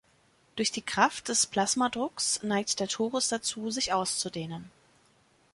Durch die Kraft des Plasmadrucks neigt der Torus dazu, sich auszudehnen.